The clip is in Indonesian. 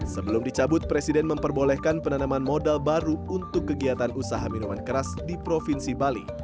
sebelum dicabut presiden memperbolehkan penanaman modal baru untuk kegiatan usaha minuman keras di provinsi bali